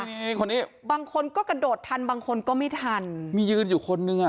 มีคนนี้บางคนก็กระโดดทันบางคนก็ไม่ทันมียืนอยู่คนนึงอ่ะ